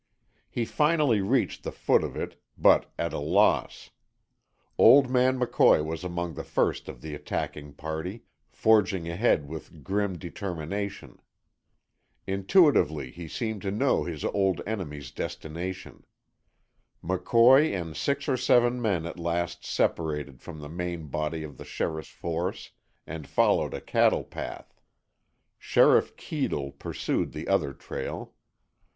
He finally reached the foot of it, but at a loss. Old man McCoy was among the first of the attacking party, forging ahead with grim determination. Intuitively he seemed to know his old enemy's destination. McCoy and six or seven men at last separated from the main body of the sheriff's force and followed a cattle path. Sheriff Keadle pursued the other trail.